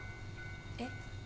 えっ？